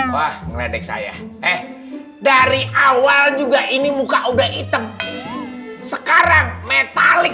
wah ngeledek saya eh dari awal juga ini muka udah hitam sekarang metalik